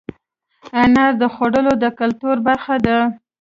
انار د خوړو د کلتور برخه ده.